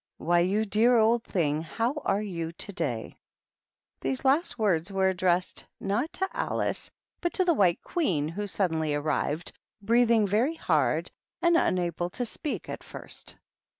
" Why, you dear old thing, how are you to day f^ These last words were addressed, not to Alice, but to the White Queen, who suddenly arrived, breathing very hard, and unable to speak at first.